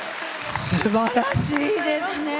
すばらしいですね！